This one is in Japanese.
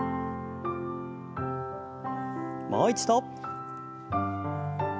もう一度。